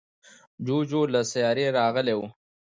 جوجو له سیارې راغلی و.